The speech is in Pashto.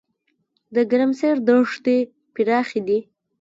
د ګرمسیر دښتې پراخې دي